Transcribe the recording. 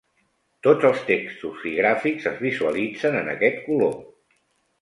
Tots els textos i gràfics es visualitzen en aquest color.